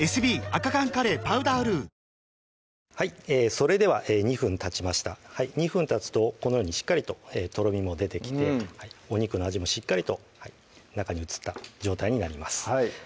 それでは２分たちました２分たつとこのようにしっかりととろみも出てきてお肉の味もしっかりと中に移った状態になります